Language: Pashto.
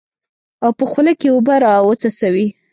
او په خوله کې اوبه راوڅڅوي.